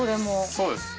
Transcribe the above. そうです。